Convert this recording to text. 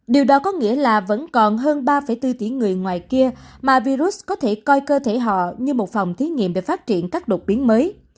điều đó có nghĩa là vẫn còn hơn ba bốn tỷ người ngoài kia mà virus có thể coi cơ thể họ như một phòng thí nghiệm để phát triển các đột biến mới